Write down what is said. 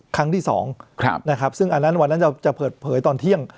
ครั้งที่๒นะครับซึ่งอันนั้นวันนั้นเราจะเปิดเผยตอนเที่ยง